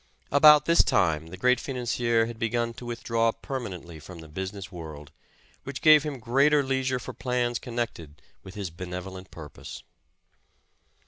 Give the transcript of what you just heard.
About this time the great financier had be gun to withdraw permanently from the business world, which gave him greater leisure for plans connected with his benevolent purpose.